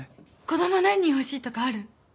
子供何人欲しいとかある？